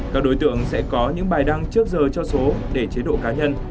các đối tượng sẽ có những bài đăng trước giờ cho số để chế độ cá nhân